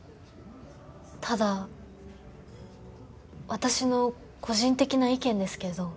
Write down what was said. ただ私の個人的な意見ですけど。